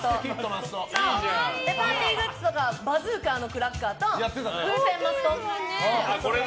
パーティーグッズとかバズーカのクラッカーと風船がマスト。